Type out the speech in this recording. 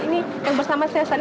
ini yang bersama saya sani